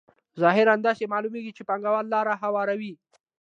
ظاهراً داسې معلومېږي چې پانګوال لار هواروي